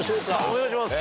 お願いします。